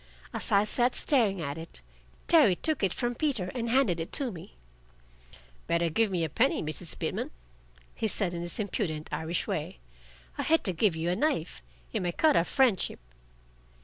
As I sat staring at it, Terry took it from Peter and handed it to me. "Better give me a penny, Mrs. Pitman," he said in his impudent Irish way. "I hate to give you a knife. It may cut our friendship."